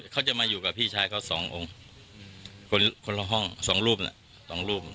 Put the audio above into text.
เขาจะมาอยู่กับพี่ชายเขาสององค์คนละห้องสองรูปน่ะสองรูป